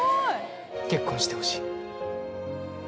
結婚してほしい。